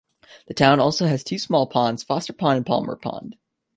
The town also has two small ponds, Foster Pond and Palmer Pond.